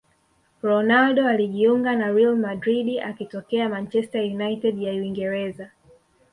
ronaldo alijiunga na real madrid akitokea manchester united ya uingereza